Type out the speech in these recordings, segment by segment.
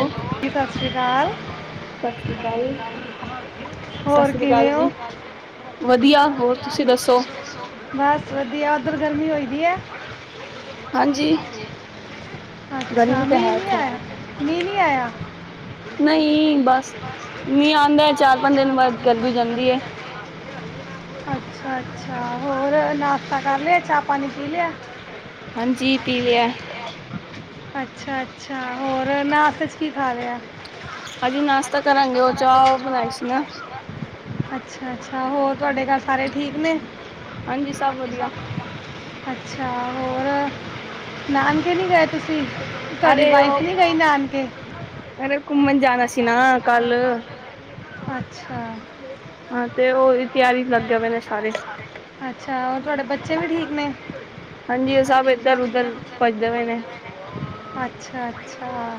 ਓ hello ਸਤਿ ਸ਼੍ਰੀ ਅਕਾਲ। [unintelligible] ਸਤਿ ਸ੍ਰੀ ਅਕਾਲੀ ਸਤਿ ਹੋਰ ਸ੍ਰੀ ਅਕਾਲ ਕਿਵੇਂ ਜੀ ਹੋ ਵਧੀਆ ਹੋਰ ਤੁਸੀਂ ਦੱਸੋ। ਬਸ ਵਧੀਆ ਉਧਰ ਗਰਮੀ ਹੋਈ ਦੀ ਹੈ ਹਾਂਜੀ ਅੱਛਾ ਗਰਮੀ ਤਾਂ ਮੀਂਹ ਹੈ ਨਹੀਂ ਇੱਥੇ। ਆਇਆ ਮੀਂਹ ਨਹੀਂ ਆਇਆ ਨਹੀਂ ਬਸ ਮੀਹ ਆਂਦਾ ਚਾਰ ਪੰਜ ਦਿਨ ਬਾਅਦ ਗਰਮੀ ਜਾਂਦੀ ਐ। ਅੱਛਾ ਅੱਛਾ, ਹੋਰ ਨਾਸ਼ਤਾ ਕਰ ਲਿਆ ਚਾਹ ਪਾਣੀ ਪੀ ਲਿਆ। ਹਾਂਜੀ ਪੀ ਲਿਆ। ਅੱਛਾ ਅੱਛਾ, ਹੋਰ। ਫਿਰ ਨਾਸਤੇ ਚ ਕੀ ਖਾ ਰਿਹਾ। ਹਜੇ ਨਾਸ਼ਤਾ ਕਰਾਂਗੇ ਉਹ ਚਾਹ ਬਣਾਈ ਸੀ ਨਾ ਅੱਛਾ ਅੱਛਾ, ਹੋਰ ਤੁਹਾਡੇ ਘਰ ਸਾਰੇ ਠੀਕ ਨੇ। ਹਾਂਜੀ ਸਭ ਵਧੀਆ। ਅੱਛਾ ਹੋਰ ਨਾਨਕੇ ਨਹੀਂ ਗਏ ਤੁਸੀਂ ਤੁਹਾਡੀ ਅਰੇ ਵਾਈਫ ਨਹੀਂ ਉਹ ਗਈ ਨਾਨਕੇ ਅਰੇ ਘੁੰਮਣ ਜਾਣਾ ਸੀ ਨਾ ਕੱਲ। ਅੱਛਾ। ਹਾਂ, ਤੇ ਉਹਦੀ ਤਿਆਰੀ ਲੱਗੇ ਪਏ ਨੇ ਸਾਰੇ ਅੱਛਾ ਹੋਰ ਤੁਹਾਡੇ ਬੱਚੇ ਵੀ ਠੀਕ ਨੇ ਹਾਂਜੀ ਉਹ ਸਭ ਇੱਧਰ ਉਧਰ ਭੱਜਦੇ ਪਏ ਨੇ। ਹਾਂ,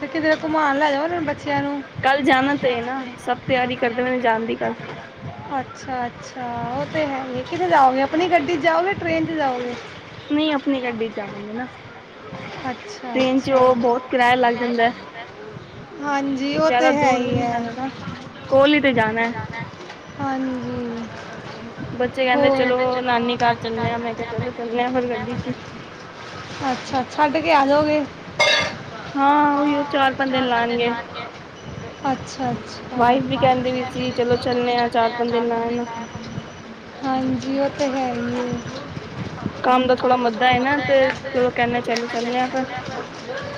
ਤੇ ਕਿੱਧਰੇ ਘੁੰਮਾਣ ਲੈ ਜੋ ਉਹਨਾਂ ਬੱਚਿਆਂ। ਨੂੰ ਕੱਲ ਜਾਣਾ ਤੇ ਐ ਨਾ ਸਭ ਤਿਆਰੀ ਕਰਦੇ ਪਏ ਜਾਣ ਦੀ ਕੱਲ। ਕਿਥੇ ਜਾਓਗੇ ਆਪਣੀ ਗੱਡੀ ਚ ਜਾਓਗੇ ਟ੍ਰੇਨ ਚ ਜਾਓਗੇ। ਨਹੀਂ ਆਪਣੀ ਗੱਡੀ ਜਾਵਾਂਗੇ ਨਾ ਅੱਛਾ ਟ੍ਰੇਨ। ਜੋ ਅੱਛਾ ਬਹੁਤ ਕਿਰਾਇਆ ਲੱਗ ਜਾਂਦਾ ਹਾਂਜੀ ਉਹ ਤੇ ਜ਼ਿਆਦਾ ਹੈ ਦੂਰ ਵੀ ਹੀ ਨਹੀਂ ਹੈ ਜਾਣਾ ਨਾ ਕੋਲ ਹੀ ਤੇ ਜਾਣਾ। ਹਾਂਜੀ ਬੱਚੇ ਕਹਿੰਦੇ ਹੋਰ ਚਲੋ ਨਾਨੀ ਘਰ ਚੱਲਣੇ ਆ ਮੈਂ ਕਿਹਾ ਚਲੋ ਚੱਲਣੇ ਆ ਫਿਰ ਗੱਡੀ ਚ ਹੀ। ਹਾਂ ਉਹੀਓ ਪੰਜ ਦਿਨ ਚਾਰ ਬੰਦੇ ਲਾਣਗੇ ਅੱਛਾ ਅੱਛਾ ਵਾਈਫ ਵੀ ਕਹਿੰਦੀ ਵੀ ਸੀ ਚਲੋ ਚੱਲਣੇ ਆ ਪੰਜ ਚਾਰ ਦਿਨ ਲਾਣ [inaudible] ਹਾਂਜੀ ਉਹ ਤੇ ਹੈ ਹੀ। ਕੰਮ ਦਾ ਥੋੜ੍ਹਾ ਮੰਦਾ ਐ ਨਾ ਤੇ ਚਲੋ ਕਹਿੰਦੇ ਚਲੋ ਚੱਲਣੇ ਆ ਫਿਰ।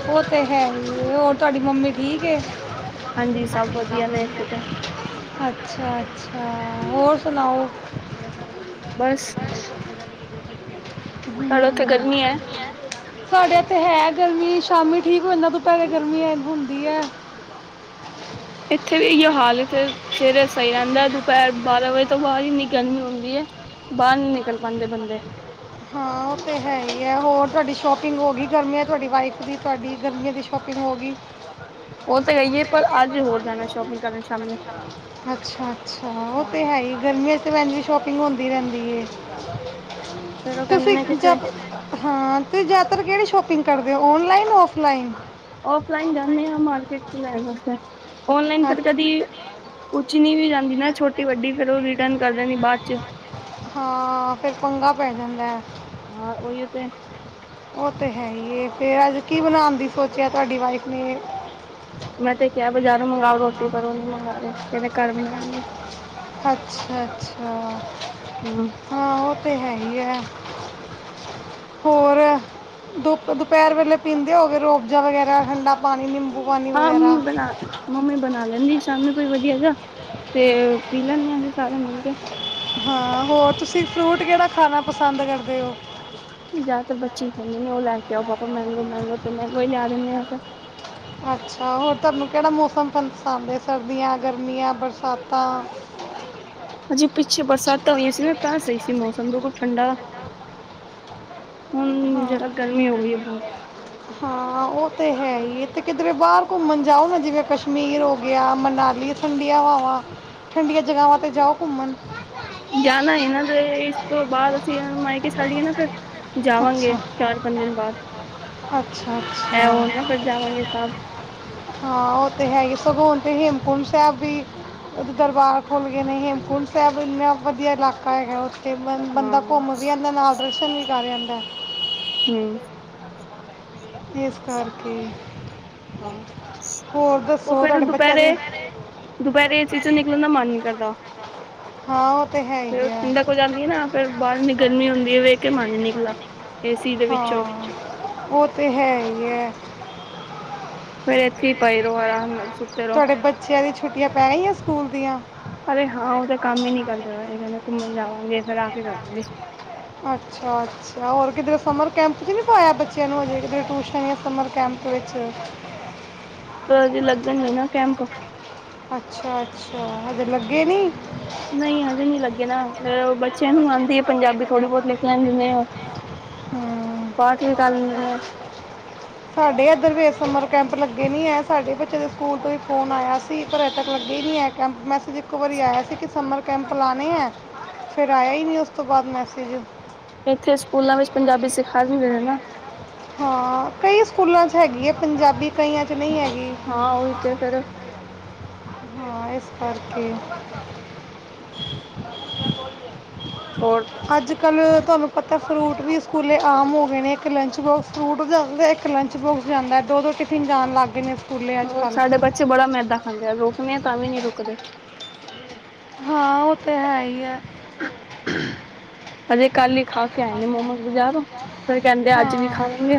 ਉਹ ਤੇ ਹੈ ਹੀ ਹੋਰ ਤੁਹਾਡੀ ਮੰਮੀ ਠੀਕ ਐ। ਹਾਂਜੀ ਸਭ ਵਧੀਆ ਨੇ ਇੱਥੇ ਤੇ ਅੱਛਾ ਅੱਛਾ ਹੋਰ। ਸੁਣਾਓ। ਬਸ [unintelligible] ਸਾਡੇ ਉੱਥੇ ਗਰਮੀ ਹੈ ਤੁਹਾਡੇ ਉੱਥੇ ਹੈ। ਗਰਮੀ ਸ਼ਾਮੀ ਠੀਕ ਹੋ ਜਾਣਾ ਦੁਪਹਿਰੇ ਗਰਮੀ ਹੈ ਹੁੰਦੀ ਹੈ। ਇੱਥੇ ਵੀ ਏਹਿ ਓ ਹਾਲ ਇੱਥੇ ਸਵੇਰੇ ਸਹੀ ਰਹਿੰਦਾ ਦੁਪਹਿਰ ਬਾਰਾਂ ਵਜੇ ਤੋਂ ਬਾਅਦ ਇੰਨੀ ਗਰਮੀ ਹੁੰਦੀ ਹੈ ਬਾਹਰ ਨੀ ਨਿਕਲ ਪਾਉਂਦੇ ਬੰਦੇ ਹਾਂ ਉਹ ਤੇ ਹੈ ਹੀ ਹੈ ਹੋਰ ਤੁਹਾਡੀ। ਸ਼ੋਪਿੰਗ ਹੋ ਗਈ ਗਰਮੀਆਂ ਤੁਹਾਡੀ ਵਾਈਫ ਦੀ ਤੁਹਾਡੀ ਗਰਮੀਆਂ ਦੀ ਸ਼ੋਪਿੰਗ ਹੋ ਗਈ। ਉਹ ਤਾਂ ਹੈਈਏ, ਪਰ ਅੱਜ ਹੋਰ ਜਾਣਾ ਸ਼ੋਪਿੰਗ ਕਰਨ ਸ਼ਾਮੀ, ਅੱਛਾ ਅੱਛਾ ਉਹ ਤੇ ਹਾਂ ਹੈ ਹੀ ਗਰਮੀਆਂ 'ਚ ਤਾਂ ਵੈਸੇ ਵੀ ਸ਼ਾਪਿੰਗ ਹੁੰਦੀ ਰਹਿੰਦੀ ਏ ਫੇਰ ਉਹ ਕਹਿੰਦੇ ਤੁਸੀਂ ਨੇ ਕਿਥੇ ਜਾਂ ਹਾਂ, ਤੁਸੀ ਜਿਆਦਾਤਰ ਕਿਹੜੇ ਸ਼ੋਪ ਬੁਕਿੰਗ ਕਰਦੇ ਓ ਔਨਲਾਈਨ, ਔਫਲਾਈਨ ਔਫਲਾਈਨ ਜਾਂਦੇ ਹਾਂ ਮਾਰਕੀਟ ਲੈ ਦਸ ਔਨਲਾਈਨ ਕਦੀ ਕਦੀ ਅੱਛਾ ਕੁਛ ਨੀ ਵੀ ਜਾਂਦੀ ਨਾ ਛੋਟੀ, ਵੱਡੀ ਫੇਰ ਉਹ ਰਿਟਰਨ ਕਰ ਦੇ ਨੇ ਬਾਅਦ ਚ ਹਾਂ ਫੇਰ ਪੰਗਾ ਪੈ ਜਾਂਦਾ ਹੈ, ਹਾਂ ਉਹੀਓ ਤੇ ਉਹ ਤੇ ਹੈ ਈ ਫੇਰ ਅੱਜ ਕੀ ਬਣਾਉਣ ਦੀ ਸੋਚਿਆ ਤੁਹਾਡੀ ਵਾਈਫ ਨੇ ਮੈਂ ਤੇ ਕਿਹਾ ਬਜ਼ਾਰੋਂ ਮੰਗਾਓ ਰੋਟੀ, ਪਰ ਉਹ ਨਹੀਂ ਮੰਗਾ ਰਹੇ, ਕਹਿੰਦੇ ਘਰ ਬਣਾਉਣਗੇ ਅੱਛਾ -ਅੱਛਾ ਹੂੰ ਹਾਂ ਉਹ ਤੇ ਹੈ ਹੋਰ ਦੋ ਦੁਪਹਿਰ ਵੇਲੇ ਪੀਂਦੇ ਹੋਗੇ ਰੂ ਅਫ਼ਜਾ ਵਗੈਰਾ ਠੰਡਾ ਪਾਣੀ ਨਿੰਬੂ ਪਾਣੀ ਹਾਂ ਵਗੈਰਾ ਮੰਮੀ ਬਣਾ ਮੰਮੀ ਬਣਾ ਲੈਂਦੀ ਸ਼ਾਮੀ, ਕੋਈ ਵਧੀਆ ਜਿਹਾ ਤੇ ਪੀ ਲੈਂਦੇ ਹਾਂ ਅਸੀਂ ਸਾਰੇ ਮਿਲ ਕੇ ਹਾਂ ਹੋਰ ਤੁਸੀਂ ਫਰੂਟ ਕਿਹੜਾ ਖਾਣਾ ਪਸੰਦ ਕਰਦੇ ਹੋ। ਜਾਂ ਤਾਂ ਬੱਚੇ ਹੀ ਖਾਂਦੇ ਨੇ ਉਹ ਲੈ ਕੇ ਆਉ ਪਾਪਾ ਮੈਂਗੋ ਮੈਂਗੋ ਤੇ ਮੈਂਗੋ ਹੀ ਲਿਆ ਦਿੰਦੇ ਆ [unintelligible] ਅੱਛਾ ਹੋਰ ਤੁਹਾਨੂੰ ਕਿਹੜਾ ਮੌਸਮ ਪਸੰਦ ਏ ਸਰਦੀਆਂ, ਗਰਮੀਆਂ, ਬਰਸਾਤਾਂ ਹਜੇ ਪਿੱਛੇ ਬਰਸਾਤਾਂ ਹੋਈਆਂ ਸੀ ਨਾ ਕੱਲ ਸਹੀ ਸੀ ਮੌਸਮ, ਬਿਲਕੁਲ ਠੰਡਾ ਹੁਣ ਹਾਂ ਜਰਾ ਗਰਮੀ ਹੋ ਗਈ ਹੈ ਬਹੁਤ -ਹਾਂ ਉਹ ਤੇ ਹੈ ਈ ਏ ਅਤੇ ਕਿਧਰੇ ਬਾਹਰ ਘੁੰਮਣ ਜਾਓ ਨਾ ਜਿਵੇਂ ਕਸ਼ਮੀਰ ਹੋ ਗਿਆ, ਮਨਾਲੀ ਠੰਡੀਆਂ ਹਵਾਵਾਂ ਠੰਡੀਆਂ ਜਗ੍ਹਾਵਾਂ 'ਤੇ ਜਾਓ ਘੁੰਮਣ ਜਾਣਾ ਇਹਨਾਂ ਦੇ ਇਸ ਤੋਂ ਬਾਅਦ ਅਸੀਂ ਇਹਨਾਂ ਨੂੰ ਮਾਈਕੇ ਛੱਡ ਕੇ ਨਾ ਫਿਰ ਜਾਵਾਂਗੇ ਅੱਛਾ ਚਾਰ ਪੰਜ ਦਿਨ ਬਾਅਦ, ਅੱਛਾ ਐ ਅੱਛਾ ਆਉਣ ਗੇ ਨਾ ਫਿਰ ਜਾਵਾਂਗੇ ਸਬ ਹਾਂ ਉਹ ਤੇ ਹੈਗੇ ਸਗੋਂ ਓਥੇ ਹੇਮਕੁੰਟ ਸਾਹਿਬ ਵੀ ਉਹਦੇ ਦਰਬਾਰ ਖੁੱਲ੍ਹ ਗਏ ਨੇ, ਹੇਮਕੁੰਟ ਸਾਹਿਬ ਇੰਨਾ ਵਧੀਆ ਇਲਾਕਾ ਹੈਗਾ ਉਥੇ ਤੇ ਹਾਂ ਬੰਦਾ, ਘੁੰਮ ਵੀ ਆਂਦਾ ਦਰਸ਼ਨ ਵੀ ਕਰ ਆਂਦਾ ਏ ਹੂੰ ਇਸ ਕਰਕੇ ਹਾਂ ਹੋਰ ਉਹ ਦੱਸੋ ਫੇਰ ਤੁਹਾਡੇ ਬੱਚਿਆਂ ਦੁਪਹਿਰੇ, ਦੇ ਦੁਪਹਿਰੇ ਏ ਸੀ ਚੋਂ ਨਿਕਲਣ ਦਾ ਮਨ ਨੀ ਕਰਦਾ ਹਾਂ ਤੇ ਹੈ ਫਿਰ ਹੀ ਉਹ ਆ ਠੰਡਕ ਹੋ ਜਾਂਦੀ ਹੈ ਨਾ ਫੇਰ ਬਾਹਰ ਗਰਮੀ ਹੁੰਦੀ ਵੇਖ ਕੇ ਮਨ ਨੀ ਨਿਕਲਾ, ਏ ਸੀ ਦੇ ਵਿੱਚੋਂ ਸਹੀ ਹੈ। ਫੇਰ ਇੱਥੇ ਈ ਪਏ ਰਹੋ ਆਰਾਮ ਨਾਲ, ਸੁੱਤੇ ਰਹੋ ਤੁਹਾਡੇ ਬੱਚਿਆਂ ਦੀ ਛੁੱਟੀਆਂ ਪੈ ਗਈਆਂ ਸਕੂਲ ਦੀਆਂ ਅਰੇ ਹਾਂ ਉਹ ਤੇ ਕੰਮ ਹੀ ਨੀ ਕਰਦੇ ਬਏ, ਇਹ ਕਹਿੰਦੇ ਘੁੰਮਣ ਜਾਵਾਂਗੇ ਫਿਰ ਕੇ ਕਰਾਂਗੇ ਅੱਛਾ-ਅੱਛਾ ਹੋਰ ਕਿਧਰੇ ਸਮਰ ਕੈਂਪ ਚ ਨਹੀਂ ਪਾਇਆ ਬੱਚਿਆਂ ਨੂੰ ਹਜੇ? ਕਿੱਧਰੇ ਟਿਊਸ਼ਨ ਜਾਂ ਸਮਰ ਕੈਂਪ ਵਿੱਚ? ਹਜੇ ਲੱਗਣਗੇ ਨਾ ਕੈਂਪ। ਅੱਛਾ ਅੱਛਾ ਹਜੇ ਲੱਗੇ ਨੀਂ? ਨਹੀਂ ਹਜੇ ਨਹੀਂ ਲੱਗੇ ਨਾ, ਫਿਰ ਉਹ ਬ ਬੱਚਿਆਂ ਨੂੰ ਆਉਂਦੀ ਆ ਪੰਜਾਬੀ ਥੋੜੀ ਬਹੁਤ ਲਿਖ ਲੈਂਦੇ ਨੇ ਉਹ, ਹੂੰ ਪਾਠ ਵੀ ਕਰ ਲੈਂਦੇ ਨੇ। ਸਾਡੇ ਇੱਧਰ ਵੀ ਸਮਰ ਕੈਂਪ ਲੱਗੇ ਨਹੀਂ ਹੈ, ਸਾਡੇ ਬੱਚੇਆਂ ਦੇ ਸਕੂਲ ਤੋਂ ਹੀ ਫੋਨ ਆਇਆ ਸੀ, ਪਰ ਅਜੇ ਤੱਕ ਲੱਗੇ ਹੀ ਨਹੀਂ ਹੈ ਕੈਂਪ, ਮੈਸੇਜ ਇੱਕੋ ਵਾਰੀ ਆਇਆ ਸੀ ਕਿ ਸਮਰ ਕੈਂਪ ਲਾਉਣੇ ਹੈ ਫਿਰ ਆਇਆ ਹੀ ਨਹੀਂ ਓਸ ਉਸ ਤੋਂ ਬਾਅਦ ਮੈਸੇਜ। ਇੱਥੇ ਸਕੂਲਾਂ ਵਿੱਚ ਪੰਜਾਬੀ ਸਿਖਾ ਦਿੰਦੇ ਨੇ ਨਾ। ਹਾਂ ਕਈ ਸਕੂਲਾਂ 'ਚ ਹੈਗੀ ਹੈ ਪੰਜਾਬੀ, ਕਈਆਂ ਚ ਨਹੀਂ ਹੈ ਹਾਂ ਉਹੀ ਤੇ ਫਿਰ। ਹਾਂ ਇਸ ਕਰਕੇ ਹੋਰ? ਅੱਜ ਕੱਲ੍ਹ ਤੁਹਾਨੂੰ ਪਤਾ ਫਰੂਟ ਵੀ ਸਕੂਲੇ ਆਮ ਹੋ ਗਏ ਨੇ, ਇੱਕ ਲੰਚ ਬੋਕਸ ਫਰੂਟ ਜਾਂਦਾ ਏ, ਇੱਕ ਲੰਚ ਬੋਕਸ ਜਾਂਦਾ ਏ, ਦੋ-ਦੋ ਟਿਫਿਨ ਜਾਣ ਲੱਗ ਗਏ ਨੇ। ਸਕੂਲੇ ਅੱਜ ਹੋਰ ਸਾਡੇ ਕੱਲ੍ਹ ਬੱਚੇ ਬੜਾ ਮੈਦਾ ਖਾਂਦੇ। ਰੋਕਣੇ ਆ ਤਾਂ ਵੀ ਨੀ ਰੁਕਦੇ। ਹਾਂ ਉਹ ਤੇ ਹੈ ਹੀ ਹੈ। ਹਜੇ ਕੱਲ ਹੀ ਖਾ ਕੇ ਆਏ ਨੇ ਮੋਮੋਜ ਬਾਜ਼ਾਰੋਂ, ਫੇਰ ਕਹਿੰਦੇ ਅੱਜ ਵੀ ਹਾਂ ਖਾਵਾਂਗੇ।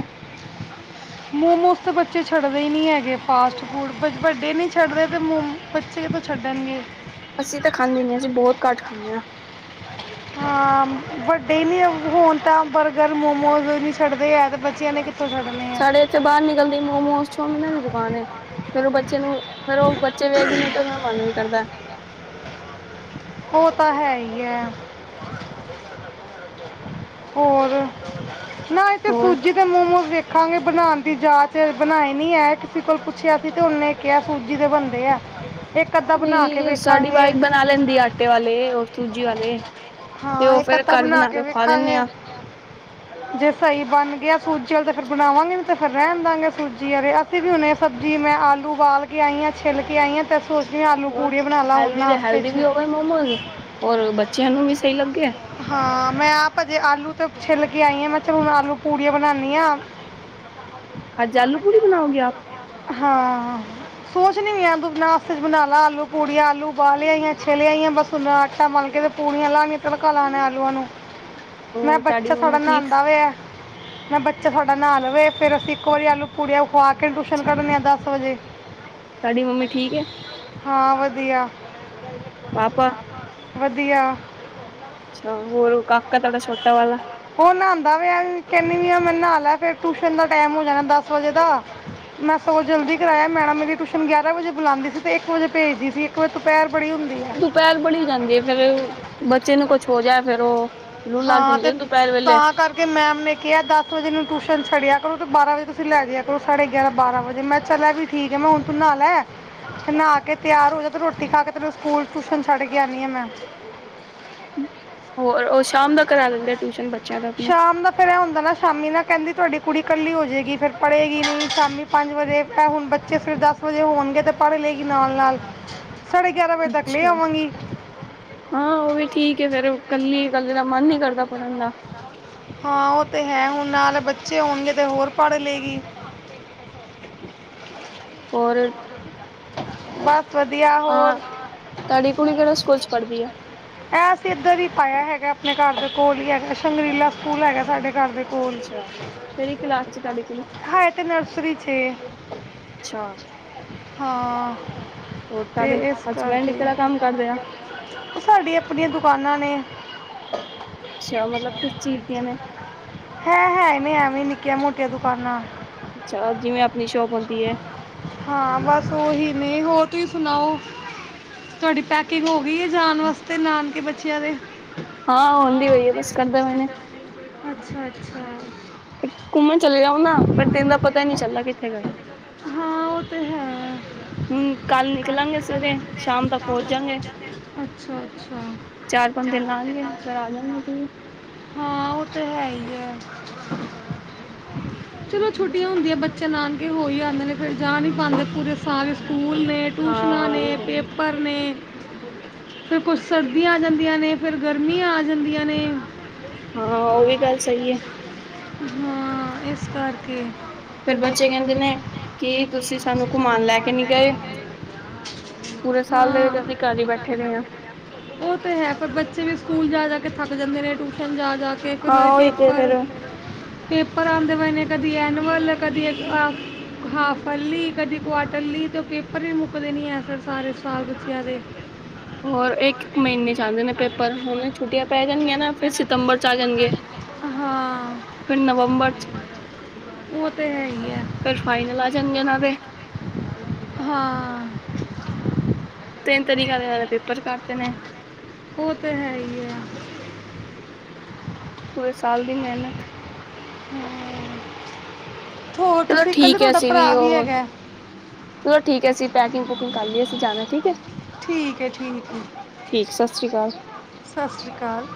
ਛੱਡ ਦੇ ਨਹੀ ਹੈਗੇ ਫਾਸਟ ਫੂਡ, ਵ ਵੱਡੇ ਨੀਂ ਛੱਡਦੇ, ਤੇ ਮੁ ਬੱਚੇ ਕਿਥੋ ਛੱਡਣਗੇ। ਅਸੀਂ ਤਾਂ ਖਾਂਦੇ ਨਹੀਂ ਆ ਜੀ, ਬਹੁਤ ਘੱਟ ਖਾਣੇ ਹਾਂ। ਹਾਂ ਵੱਡੇ ਨੀ ਹੁਣ ਤਾਂ ਬਰਗਰ, ਮੋਮੋਜ਼ ਨੀ ਛੱਡਦੇ ਹੈ ਤੇ ਬੱਚਿਆਂ ਨੇ ਕਿੱਥੋਂ ਛੱਡਣੇ ਆ ਸਾਡੇ ਇੱਥੇ ਬਾਹਰ ਨਿਕਲਦੇ ਹੀ ਮੋਮੋਜ, ਚੋਮਿਨਾ ਦੀ ਦੁਕਾਨ ਏ, ਫੇਰ ਉਹ ਬੱਚੇ ਨੂੰ‌, ਫੇਰ ਉਹ ਬੱਚੇ ਵੇਖਦੇ ਨੇ ਤੇ ਉਹਨਾਂ ਦਾ ਮਨ ਵੀ ਕਰਦਾ ਹੈ। ਗਿਆ, ਹੋਰ? ਨਾ ਇਥੇ ਹੋਰ ਸੂਜੀ ਦੇ ਮੋਮੋਜ ਵੇ ਖਾਂਗੇ ਬਣਾਉਣ ਦੀ ਜਾਚ ਏ, ਬਣਾਈ ਨਹੀਂ ਏ, ਕਿਸੇ ਕੋਲ ਪੁੱਛਿਆ ਸੀ, ਤੇ ਉਹਨੇ ਕਿਹਾ ਸੂਜੀ ਦੇ ਬਣਦੇ ਐ। ਨਹੀਂ, ਸਾਡੀ ਵਾਈਫ਼ ਬਣਾ ਲੈਂਦੀ ਏ ਆਟੇ ਵਾਲੇ ਔਰ ਸੂਜ ਹਾਂ ਇੱਕ ਅੱਧਾ ਬਣਾ ਕੇ ਖਵਾ ਦਿੰਦੇ ਵੇਖਾਂਗੇ, ਆ ਜੇ ਸਹੀ ਬਣ ਗਿਆ ਸੂ ਸੂਜੀ ਵਾਲੇ ਤੇ ਫਿਰ ਬਣਾਵਾਂਗੇ ਵੀ ਤੇ ਫਿਰ ਰਹਿਣ ਦਿਆਂਗੇ ਸੂਜੀ ਆਲੇ, ਅਸੀਂ ਵੀ ਹੁਣੇ ਸਬਜ਼ੀ ਮੈਂ ਆਲੂ ਓਬਾਲ ਕੇ ਆਈ ਹਾਂ, ਛਿੱਲ ਕੇ ਆਈ ਹਾਂ, ਫਿਰ ਸੋ ਕੇ ਆਲੂ ਹੋਰ ਪੂੜੀਆਂ ਬਣਾ ਲਾ ਹੁਣ ਹੈਲਦੀ ਦੇ ਨਾਸ਼ਤੇ ਹੈਲਦੀ ਵੀ ਚ। ਹੋ ਗਏ ਮੋਮੋਜ਼ ਔਰ ਬੱਚਿਆਂ ਨੂੰ ਵੀ ਸਹੀ ਲੱਗੇ ਹਾਂ, ਮੈਂ ਆਪ ਅਜੇ ਆਲੂ ਤੇ ਛਿੱਲ ਕੇ ਆਈ ਹਾਂ, ਮੈਂ ਕਿਹਾ ਚਲ ਹੁਣ ਆਲੂ ਪੂਰੀਆਂ ਬਣਾਉਣੀ ਹਾਂ। ਅੱਜ ਆਲੂ ਪੂੜੀ ਬਣਾਓਗੇ ਆਪ। ਸੋਚ ਰਹੀ ਆ ਨਾਸ਼ਤੇ ਚ ਬਣਾ ਲਾ ਆਲੂ ਪੂੜੀ ਆਲੂ ਉਬਾਲ ਆਈ ਛਿੱਲ ਆਈ ਆਂ ਬ ਮਲਕੇ ਤੇ ਪੁੜੀਆ ਲਾਉਣੀਆਂ ਤੜਕਾ ਲਾਣੇ ਆਲੂਆਂ ਨੂੰ ਮੈਂ ਹੋਰ ਤੁਹਾਡੀ ਬੱਚਾ ਥੋੜਾ ਮੰਮੀ ਠੀਕ ਨਹਾਉਂਦਾ ਪਿਆ ਮੈਂ ਬੱਚਾ ਥੋਡਾ ਬਸ ਨਹਾ ਲਵੇ ਫਿਰ ਅਸੀਂ ਇੱਕੋ ਵਾਰੀ ਆਲੂ ਪੂੜੀਆਂ ਖਆ ਕੇ ਟਿਊਸ਼ਨ ਕੱਢਣੀ ਆ ਦਸ ਵਜੇ। ਸਾਡੀ ਮੰਮੀ ਠੀਕ ਹੈ ਹਾਂ ਵਧੀਆ ਪਾਪਾ? ਵਧੀਆ। ਅੱਛਾ ਹੋਰ। ਕਾਕਾ ਤੁਹਾਡਾ ਛੋਟਾ ਵਾਲਾ ਉਹ ਨਹਾਉਦਾ ਪਿਆ ਕਹਿੰਦੀ ਆ ਮੈਂ ਨਹਾ ਲੈ ਫਿਰ ਟਿਊਸ਼ਨ ਦਾ ਟਾਈਮ ਹੋ ਜਾਣਾ ਦਸ ਵਜੇ ਦਾ ਮੈਂ ਸਗੋ ਜਲਦੀ ਕਰਵਾਇਆ ਮੈਡਮ ਮੇਰੀ ਟਿਊਸ਼ਨ ਗਿਆਰਾਂ ਵਜੇ ਬੁਲਾਉਂਦੀ ਸੀ ਤੇ ਇੱਕ ਵਜੇ ਭੇਜਦੀ ਸੀ ਇੱਕ ਵਜੇ ਦੁਪਹਿਰ ਬੜੀ ਹੁੰਦੀ ਹੈ ਦੁਪਹਿਰ ਬੜੀ ਜਾਂਦੀ ਹੈ ਫੇਰ ਬੱਚੇ ਨੂੰ ਕੁੱਛ ਹੋ ਜਾਏ ਫੇਰ ਉਹ ਲੂ ਲੱਗ ਹਾਂ ਜਾਂਦੀ ਤੇ ਹੈ ਦੁਪਹਿਰ ਵੇਲੇ ਤਾਂ ਕਰਕੇ ਮੈਮ ਨੇ ਕਿਹਾ ਦਸ ਵਜੇ ਨੂੰ ਟਿਊਸ਼ਨ ਛੱਡਿਆ ਕਰ। ਬਾਰਾਂ ਵਜੇ ਤੁਸੀਂ ਲੈ ਜਾਇਆ ਕਰੋ ਸਾਢੇ ਗਿਆਰਾਂ ਬਾਰਾਂ ਵਜੇ ਮੈਂ ਚਲਿਆ ਵੀ ਠੀਕ ਆ ਮੈਂ ਹੁਣ ਤੂੰ ਨਹਾ ਲੈ ਤੇ ਨਹਾ ਕੇ ਤਿਆਰ ਹੋ ਜਾ ਤੇ ਰੋਟੀ ਖਾ ਕੇ ਤੈਨੂੰ ਸਕੂਲ ਟਿਊਸ਼ਨ ਛੱਡ ਕੇ ਆਉਨੀ ਆ ਮੈ। ਹੋਰ ਉਹ ਸ਼ਾਮ ਦਾ ਕਰਾ ਦਿੰਦੇ ਟਿਊਸ਼ਨ ਬੱਚਿਆਂ ਦਾ ਆਪਣੇ ਸ਼ਾਮ ਦਾ ਫਿਰ ਇਹ ਹੁੰਦਾ ਨਾ ਸ਼ਾਮੀ ਨਾ ਕਹਿੰਦੀ ਤੁਹਾਡੀ ਕੁੜੀ ਇਕੱਲੀ ਹੋ ਜਾਵੇਗੀ ਫਿਰ ਪੜ੍ਹੇਗੀ ਨਹੀਂ ਸ਼ਾਮੀ ਪੰਜ ਵਜੇ ਹੁਣ ਬੱਚੇ ਫਿਰ ਦਸ ਵਜੇ ਹੋਣਗੇ ਅਤੇ ਪੜ੍ਹ ਲਏਗੀ ਨਾਲ ਨਾਲ ਵਜੇ ਤੱਕ ਲੈ ਅੱਛਾ ਆਵਾਂਗੀ ਹਾਂ ਉਹ ਵੀ ਠੀਕ ਹੈ ਫੇਰ ਕੱਲੀ ਕੱਲੇ ਦਾ ਮਨ ਨੀ ਕਰਦਾ ਪੜ੍ਹਨ ਦਾ। ਨਾਲੇ ਬੱਚੇ ਹੋਣਗੇ ਤੇ ਹੋਰ ਪੜ੍ਹ ਲਏਗੀ। ਹੋਰ? ਬਸ। ਵਧੀਆ ਹਾਂ ਹੋਰ ਤੁਹਾਡੀ ਕੁੜੀ ਕਿਹੜਾ ਸਕੂਲ ਚ ਪੜ੍ਹਦੀ ਹੈ ਐ ਅਸੀਂ ਇਧਰ ਵੀ ਪਾਇਆ ਹੈਗਾ। ਆਪਣੇ ਘਰ ਦੇ ਕੋਲ ਹੀ ਹੈਗਾ ਸੰਗਰੀਲਾ ਸਕੂਲ ਹੈਗਾ ਸਾਡੇ ਘਰ ਦੇ ਕੋਲ ਅੱਛਾ ਕਿਹੜੀ ਕਲਾਸ ਚ ਤੁਹਾਡੀ ਕੁੜੀ ਹੈ ਤੇ ਨਰਸਰੀ ਚ ਅੱਛਾ ਹਾਂ। ਔਰਤਾਂ ਤੇ ਦੇ ਇਸ ਹਸਬੈਂਡ ਕਰਕੇ ਕਿਹੜਾ ਕੰਮ ਕਰਦੇ ਆ ਉਹ ਸਾਡੀਆਂ ਆਪਣੀਆਂ ਦੁਕਾਨਾਂ ਨੇ [unintelligible] ਅੱਛਾ ਮਤਲਬ ਕਿਸ ਚੀਜ਼ ਦੀਆਂ ਨੇ ਇਹ ਹੈ ਨੀਐਵੇ ਨਿੱਕੀਆਂ ਮੋਟੀਆਂ ਦੁਕਾਨਾ- ਅੱਛਾ ਜਿਵੇਂ ਆਪਣੀ ਸ਼ੌਪ ਹੁੰਦੀ ਹੈ। ਨਹੀਂ ਹੋਰ ਤੁਸੀਂ ਸੁਣਾਓ ਤੁਹਾਡੀ ਪੈਕਿੰਗ ਹੋ ਵੀ ਜਾਣ ਵਾਸਤੇ ਨਾਨਕੇ ਬੱਚੇ [unintelligible] ਹਾਂ ਹੁੰਦੀ ਹੋਈ ਹੈ ਬਸ ਕਰਦਾ ਮੈਨੇ ਅੱਛਾ ਅੱਛਾ ਘੁੰਮਣ ਚਲੇ ਜਾਉ ਨਾ ਪਰ ਦਿਨ ਦਾ ਪਤਾ ਹੀ ਨਹੀਂ ਚੱਲਦਾ ਕਿੱਥੇ ਗਏ ਹਾਂ ਉਹ ਤੇ ਹੈ ਹਮ ਕੱਲ ਨਿਕਲਾਂਗੇ ਸਵੇਰੇ ਸ਼ਾਮ ਤੱਕ ਪਹੁੰਚ ਜਾਗੇ ਅੱਛਾ ਅੱਛਾ ਚਾਰ ਪੰਜ ਦਿਨ ਲਾਉਣਗੇ ਫਿਰ ਆ ਜਾਗੇ ਅਸੀ ਵੀ ਹਾਂ ਉਹ ਤੇ ਹੈ ਹੀ ਹੈ ਚਲੋ ਛੁੱਟੀਆਂ ਹੁੰਦੀਆਂ ਬੱਚੇ ਨਾਨਕੇ ਹੋ ਹੀ ਆਉਦੇ ਨੇ ਫਿਰ ਜਾ ਨਹੀਂ ਪਾਉਂਦੇ ਪੂਰੇ ਸਾਰੇ ਸਕੂਲ ਨੇ ਹਾਂ ਟਿਊਸ਼ਨਾਂ ਉਹ ਵੀ ਨੇ ਗੱਲ ਪੇਪਰ ਨੇ ਫਿਰ ਕੁਝ ਸਰਦੀਆਂ ਆ ਜਾਂਦੀਆਂ ਨੇ ਫਿਰ ਗਰਮੀਆਂ ਆ ਜਾਂਦੀਆਂ ਨੇ ਹਾਂ ਉਹ ਵੀ ਗੱਲ ਸਹੀ ਹੈ ਹਾਂ ਇਸ ਕਰਕੇ ਫੇਿਰ ਬੱਚੇ ਕਹਿੰਦੇ ਨੇ ਕੀ ਤੁਸੀਂ ਸਾਨੂੰ ਘੁਮਾਉਣ ਲੈ ਕੇ ਨੀ ਗਏ ਪੂਰੇ ਸਾਲ ਦੇ ਵਿੱਚ ਹਾਂ ਅਸੀਂ ਘਰ ਹੀ ਬੈਠੇ ਰਹੇ ਹਾਂ ਉਹ ਤੇ ਹੈ ਪਰ ਬੱਚੇ ਵੀ ਸਕੂਲ ਜਾ ਜਾ ਥੱਕ ਜਾਂਦੇ ਨੇ ਟਿਊਸ਼ਨ ਜਾ ਜਾ ਕੇ ਫਿਰ ਉਹ ਦੇ ਹਾਂ ਉਹੀ ਤੇ ਪੇਪਰ ਫੇਰ ਪੇਪਰ ਆਉਦੇ ਬਜਣੇ ਕਦੀ ਐਨੂਅਲ ਕਦੀ ਹਾਫਰਲੀ ਕਦੀ ਕੁ ਇਕੱਲੀ ਤਾਂ ਉਹ ਪੇਪਰ ਵੀ ਮੁੱਕਦੇ ਨਹੀਂ ਹੈ ਫਿਰ ਸਾਰੇ ਸਾਲ ਬੱਚਿਆ ਦੇ ਹੋਰ ਇੱਕ ਇੱਕ ਮਹੀਨੇ ਚ ਆਉਂਦੇ ਨੇ ਪੇਪਰ ਹੁਣ ਛੁੱਟੀਆਂ ਪੈ ਜਾਣਗੀਆਂ ਨਾ ਫਿਰ ਸਤੰਬਰ ਚ ਆ ਜਾਣਗੇ ਹਾਂ ਫਿਰ ਨਵੰਬਰ ਚ ਉਹ ਤੇ ਹੈ ਹੀ ਹੈ ਫਿਰ ਫਾਈਨਲ ਆ ਜਾਣਗੇ ਨਾ ਦੇ ਹਾਂ ਤਿੰਨ ਤਰੀਕੇ ਦੇ ਪੇਪਰ ਕਰਦੇ ਨੇ ਉਹ ਤੇ ਹੈ ਹੀ ਹੈ ਪੂਰੇ ਸਾਲ ਦੀ ਮਿਹਨਤ ਹਮ ਹੋਰ ਚਲੋ ਤੁਸੀਂ ਇਕੱਲੇ ਠੀਕ ਐ ਤੁਹਾਡਾ ਅਸੀਂ ਭਰਾ ਵੀ ਹੋਰ ਹੈਗਾ ਚਲੋ ਠੀਕ ਹੈ ਅਸੀਂ ਪੈਕਿੰਗ ਪੁੂਕਿੰਗ ਕਰ ਲਈਏ ਅਸੀਂ ਜਾਣਾ ਠੀਕ ਹੈ ਠੀਕ ਹੈ ਠੀਕ ਹੈ ਠੀਕ ਸਤਿ ਸ੍ਰੀ ਅਕਾਲ ਸਤਿ ਸ਼੍ਰੀ ਅਕਾਲ